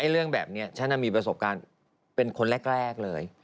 เรื่องแบบนี้ฉันมีประสบการณ์เป็นคนแรกเลย